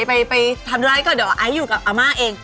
ไปทำร้ายก่อนเดี๋ยวไอซ์อยู่กับอาม่าเอง